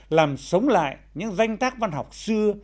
làm sống lại những danh tác văn học xưa